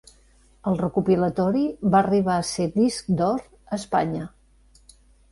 El recopilatori va arribar a ser disc d'or a Espanya.